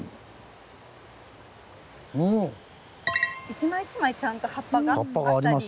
一枚一枚ちゃんと葉っぱがあったり。